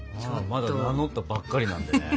まだ名乗ったばっかりなんでね。